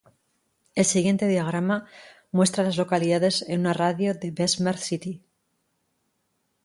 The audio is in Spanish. El siguiente diagrama muestra a las localidades en un radio de de Bessemer City.